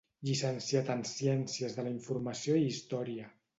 Llicenciat en Ciències de la Informació i Història.